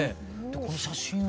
この写真は？